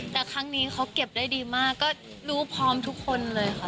แต่ครั้งนี้เขาเก็บได้ดีมากก็รู้พร้อมทุกคนเลยค่ะ